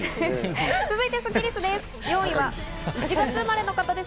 続いてスッキりすです。